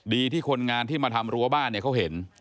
ดีที่คนงานที่มาทำรั้วบ้านเนี่ยเขาเห็น